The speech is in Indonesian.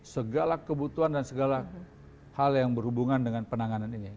segala kebutuhan dan segala hal yang berhubungan dengan penanganan ini